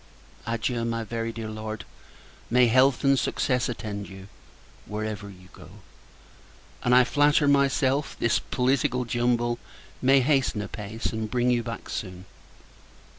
Adieu! my very dear Lord. May health and success attend you, wherever you go! And, I flatter myself, this political jumble may hasten a peace, and bring you back soon.